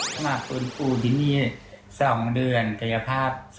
สำหรับคุณปู่ที่นี่๒เดือนกายภาพ